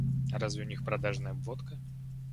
Разве у них продажная водка?